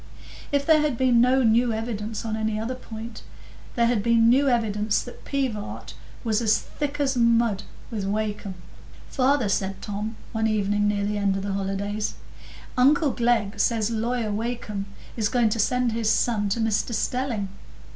If there had been no new evidence on any other point, there had been new evidence that Pivart was as "thick as mud" with Wakem. "Father," said Tom, one evening near the end of the holidays, "uncle Glegg says Lawyer Wakem is going to send his son to Mr Stelling.